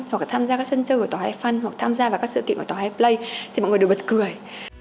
hoặc tham gia các sân chơi của tàu he fun hoặc tham gia vào các sự kiện của tàu he play thì mọi người đều bật cười